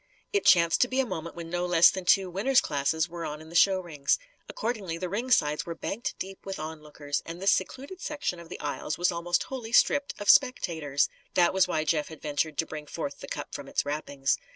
It chanced to be a moment when no less than two "Winners' Classes" were on in the showrings. Accordingly the ring sides were banked deep with onlookers, and this secluded section of the aisles was almost wholly stripped of spectators. That was why Jeff had ventured to bring forth the cup from its wrappings.